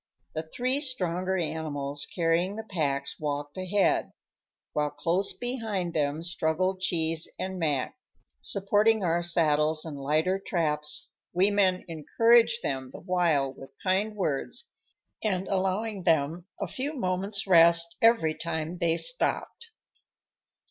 The three stronger animals carrying the packs walked ahead, while close behind them struggled Cheese and Mac, supporting our saddles and lighter traps, we men encouraging them the while with kind words and allowing them a few moments' rest every time they stopped.